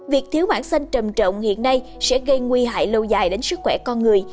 việc thiếu mảng xanh trầm trộn hiện nay sẽ gây nguy hại lâu dài đến sức khỏe con người